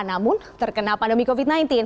namun terkena pandemi covid sembilan belas